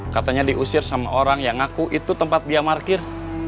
katanya diusir sama orang yang ngaku itu tempat dia markir